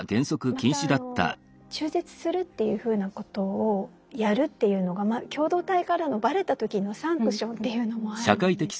また中絶するっていうふうなことをやるっていうのが共同体からのバレた時のサンクションっていうのもあるんですね。